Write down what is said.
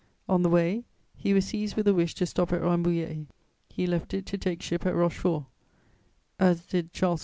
On the way, he was seized with a wish to stop at Rambouillet. He left it to take ship at Rochefort, as did Charles X.